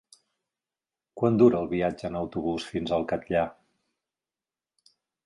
Quant dura el viatge en autobús fins al Catllar?